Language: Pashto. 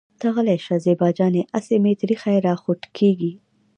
ته غلې شه زېبا جانې اسې مې تريخی راخوټکېږي.